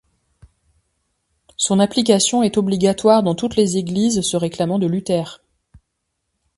Son application est obligatoire dans toutes les Églises se réclamant de Luther.